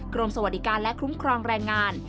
กรมสวัสดิการและคุ้มครองแรงงาน